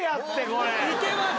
いけます。